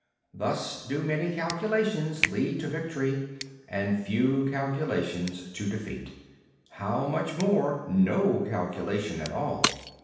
Thus do many calculations lead to victory, and few calculations to defeat: how much more no calculation at all!